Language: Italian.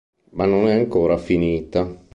Ma non è ancora finita.